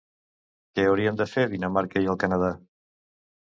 Què haurien de fer Dinamarca i el Canadà?